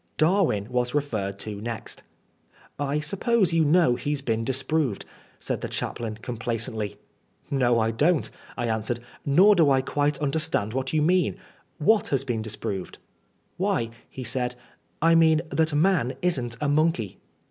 Darwin was referred to next. " I suppose you know he*s been disproved," said the chaplain, complacently. " No, I don't^" I answered ;" nor do I quite under stand what you mean. What has been disproved ?"" Why," he said, " I mean that man isn't a monkey."